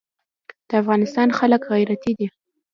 د افغانستان خلک غیرتي دي